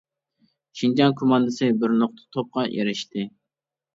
-شىنجاڭ كوماندىسى بىر نۇقتا توپقا ئېرىشتى!